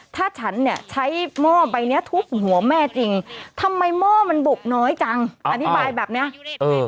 ถ้าฉันเนี่ยใช้หม้อใบเนี้ยทุบหัวแม่จริงทำไมหม้อมันบุกน้อยจังอธิบายแบบเนี้ยเออ